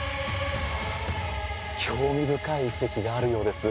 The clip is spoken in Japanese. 興味深い遺跡があるようです